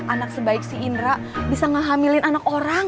anak sebaik si indra bisa ngehamilin anak orang